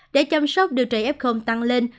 để chăm sóc điều trị f tăng lên